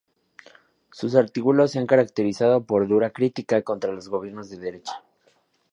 Sus artículos se han caracterizado por una dura crítica contra los gobiernos de derecha.